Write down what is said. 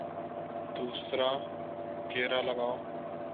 دوسرا گیئر لگاؤ